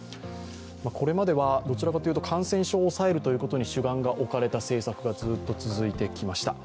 これまではどちらかというと感染症を抑えるということに主眼が置かれた政策がずっと続いてきました。